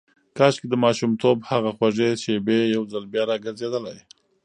کاشکې د ماشومتوب هغه خوږې شېبې یو ځل بیا راګرځېدلای.